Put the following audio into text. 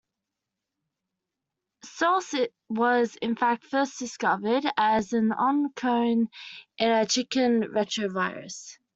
Src was in fact first discovered as an oncogene in a chicken retrovirus.